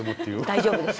大丈夫です。